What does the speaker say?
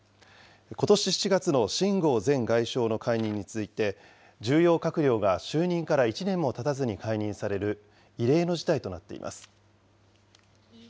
ことし７月の秦剛前外相の解任に続いて、重要閣僚が就任から１年もたたずに解任される、異例の事態となっています。